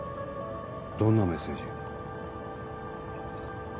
どんなメッセージ？